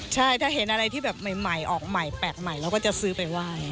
ใช่ถ้าเห็นอะไรที่แบบใหม่ออกใหม่แปลกใหม่เราก็จะซื้อไปไหว้